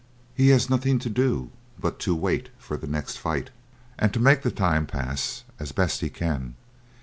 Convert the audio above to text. He has nothing to do but to wait for the next fight, and to make the time pass as best he can.